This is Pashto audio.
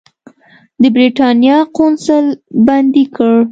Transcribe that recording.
د برېټانیا قونسل بندي کړ.